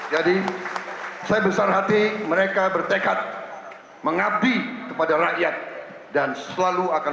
jadi saya besar hati mereka bertekad mengabdi kepada rakyat dan selalu akan